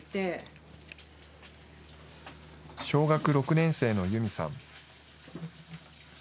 小学６年生のユミさん。